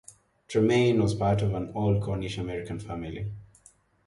Tremaine was part of an old Cornish American family.